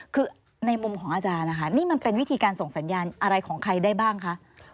คือในมุมของอาจารย์นะคะนี่มันเป็นวิธีการส่งสัญญาณอะไรของใครได้บ้างคะ